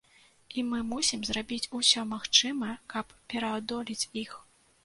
І мы мусім зрабіць усё магчымае, каб пераадолець іх.